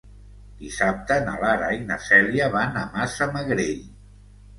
Dissabte na Lara i na Cèlia van a Massamagrell.